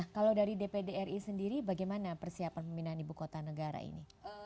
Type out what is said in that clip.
kalau dari dpd ri sendiri bagaimana persiapan pemindahan ibu kota negara ini